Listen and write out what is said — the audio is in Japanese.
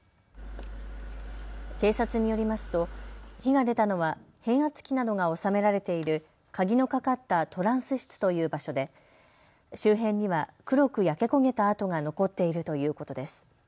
警察によりますと火が出たのは変圧器などが収められている鍵のかかったトランス室という場所で周辺には黒く焼け焦げた跡が残っているということです。